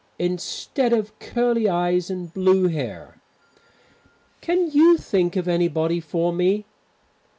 Instead of curly eyes and blue hair. Can you think of anybody for me?"